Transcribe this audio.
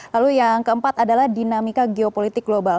lalu yang keempat adalah dinamika geopolitik global